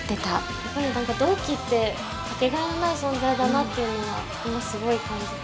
やっぱり同期って、掛けがえのない存在だなっていうのをすごい感じた。